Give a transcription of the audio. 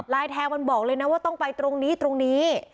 แทงมันบอกเลยนะว่าต้องไปตรงนี้ตรงนี้